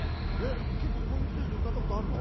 結構こういうステージで歌ったことあるの？